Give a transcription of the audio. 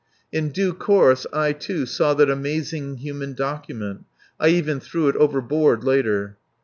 In due course I, too, saw that amazing human document (I even threw it overboard later).